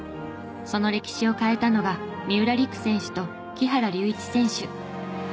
その歴史を変えたのが三浦璃来選手と木原龍一選手。